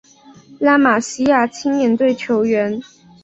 拉玛西亚青年队球员